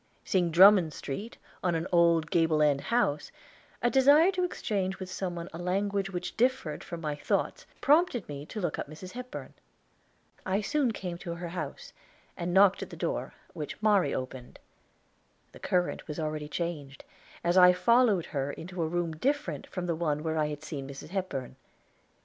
Seeing Drummond Street on an old gable end house, a desire to exchange with some one a language which differed from my thoughts prompted me to look up Mrs. Hepburn. I soon came to her house, and knocked at the door, which Mari opened. The current was already changed, as I followed her into a room different from the one where I had seen Mrs. Hepburn.